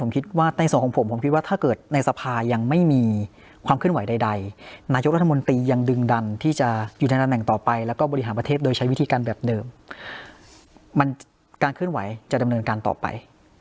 การเคลื่อนไหวจะดำเนินการต่อไป